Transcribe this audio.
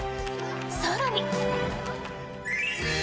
更に。